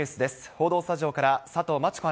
報道スタジオから、佐藤真知子